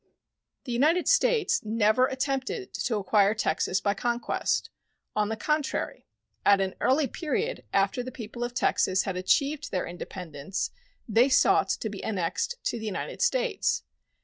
The United States never attempted to acquire Texas by conquest. On the contrary, at an early period after the people of Texas had achieved their independence they sought to be annexed to the United States.